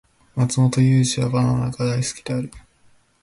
マツモトユウジはバナナが大好きである